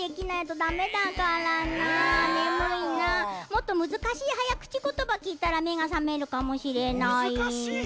もっとむずかしいはやくちことばきいたらめがさめるかもしれない。